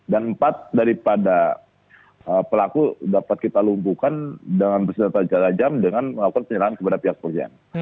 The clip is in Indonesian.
dan empat daripada pelaku dapat kita lumpuhkan dengan bersedera tajam dengan melakukan penyerangan kepada pihak kepolisian